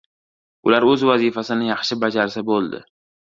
Ular oʻz vazifasini yaxshi bajarsa boʻldi.